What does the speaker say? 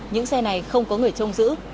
những xe này không có người trông giữ